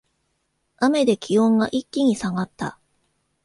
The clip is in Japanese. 雨で気温が一気に下がった